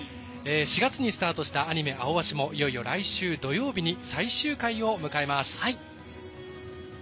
４月にスタートしたアニメ「アオアシ」もいよいよ来週土曜日に最終回を迎えます。